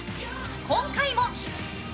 今回も。